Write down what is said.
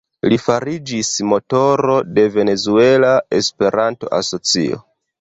Li fariĝis motoro de Venezuela Esperanto-Asocio.